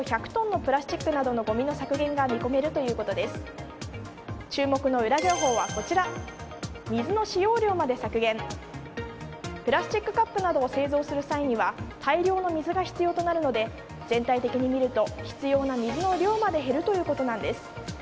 プラスチックカップなどを製造する際には大量の水が必要となるので全体的に見ると必要な水の量まで減るということなんです。